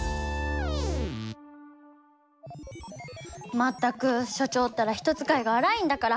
まったく所長ったら人使いが荒いんだから。